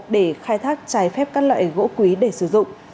để khai thác trái phép các loại gỗ quý để sử dụng